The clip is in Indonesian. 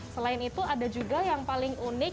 selain itu ada juga yang paling unik